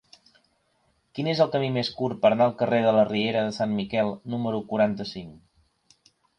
Quin és el camí més curt per anar al carrer de la Riera de Sant Miquel número quaranta-cinc?